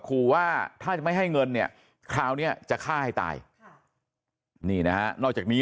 ขู่ว่าถ้าจะไม่ให้เงินเนี่ยคราวนี้จะฆ่าให้ตายนี่นะฮะนอกจากนี้